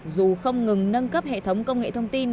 dù không ngừng nâng cấp hệ thống công nghệ thông tin